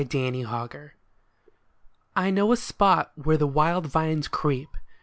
OVER THE WALL I KNOW a spot where the wild vines creep.